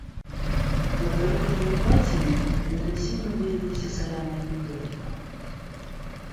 На тэрыторыі ўпадзіны інтэнсіўна выявілася саляная тэктоніка.